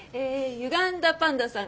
「ゆがんだパンダさん」